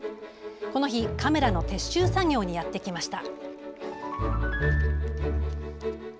この日カメラの撤収作業にやってきました。